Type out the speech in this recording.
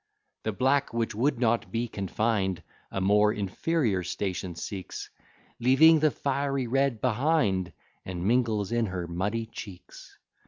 The black, which would not be confined, A more inferior station seeks, Leaving the fiery red behind, And mingles in her muddy cheeks.